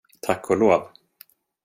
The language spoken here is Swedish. Tack och lov.